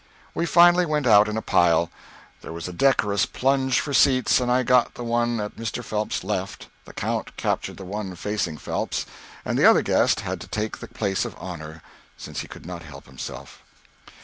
We finally went out in a pile. There was a decorous plunge for seats, and I got the one at Mr. Phelps's left, the Count captured the one facing Phelps, and the other guest had to take the place of honor, since he could not help himself.